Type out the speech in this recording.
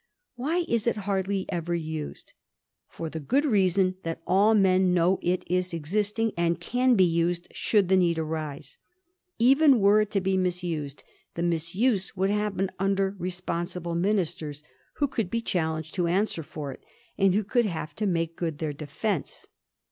Why is it hardly ever used ? For the good reason that all men know it is existing, and can be used should the need arise. Even were it to be misused, the misuse would happen under responsible mbiisters, who could be challenged to answer for it, and who woxild have to make good their defence.